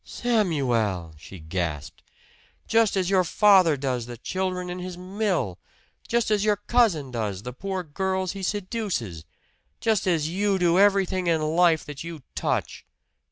"Samuel!" she gasped. "Just as your father does the children in his mill! Just as your cousin does the poor girls he seduces! Just as you do everything in life that you touch!"